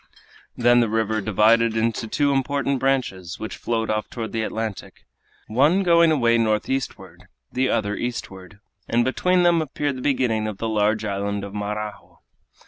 Then the river divided into two important branches, which flowed off toward the Atlantic, one going away northeastward, the other eastward, and between them appeared the beginning of the large island of Marajo.